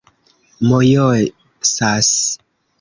mojosas